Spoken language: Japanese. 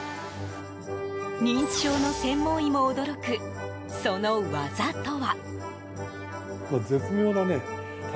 認知症の専門医も驚くその技とは。